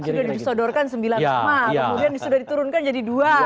sudah disodorkan sembilan nama kemudian sudah diturunkan jadi dua